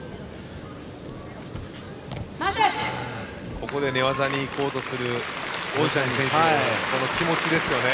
ここで寝技に行こうとする王子谷選手の気持ちですよね。